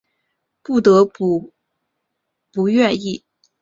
不愿意不得不